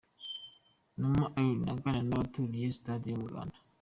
Numa Alain aganira n'abaturiye sitade Umuganda.